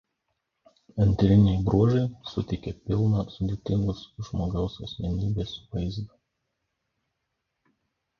Antriniai bruožai suteikia pilną sudėtingos žmogaus asmenybės vaizdą.